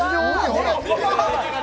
ほら！